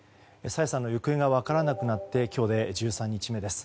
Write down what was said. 朝芽さんの行方が分からなくなって今日で１３日目です。